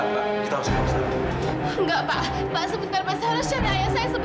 kita harus keluar sekejap